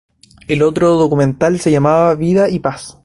El otro documental se llamaba "Vida y paz".